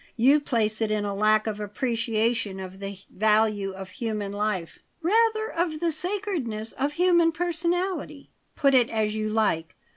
You place it in a lack of appreciation of the value of human life." "Rather of the sacredness of human personality." "Put it as you like.